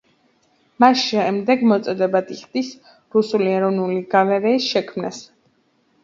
მას შემდეგ მოწოდებად იხდის რუსული ეროვნული გალერეის შექმნას.